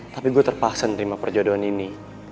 tapi gue terpaksa menerima perjodohan ini